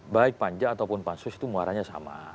baik panja ataupun pak sus itu muaranya sama